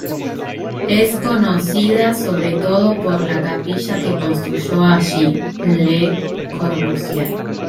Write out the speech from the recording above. Es conocida sobre todo por la capilla que construyó allí Le Corbusier.